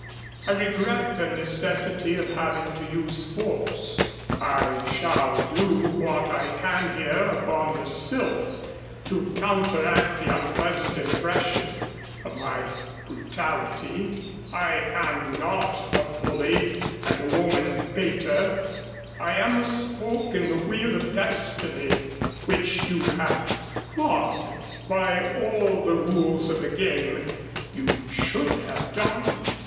I regret the necessity of having to use force. I shall do what I can here upon the Sylph to counteract the unpleasant impression of my brutality. I am not a bully and a woman baiter. I am a spoke in the wheel of destiny which you had clogged. By all the rules of the game you should have died.